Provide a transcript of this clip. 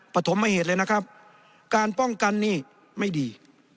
ปฐมเหตุเลยนะครับการป้องกันนี่ไม่ดี